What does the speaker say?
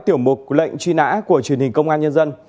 tiểu mục lệnh truy nã của truyền hình công an nhân dân